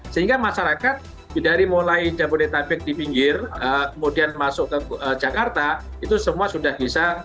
sehingga masyarakat dari mulai jabodetabek di pinggir kemudian masuk ke jakarta itu semua sudah bisa